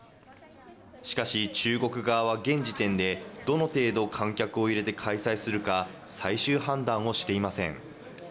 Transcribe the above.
しかし中国側は現時点でどの程度観客を入れて開催するか最終判断をしていません。